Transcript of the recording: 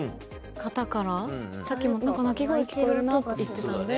さっきも「泣き声聞こえるな」って言ってたんで。